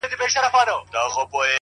هو زه پوهېږمه” خیر دی یو بل چم وکه”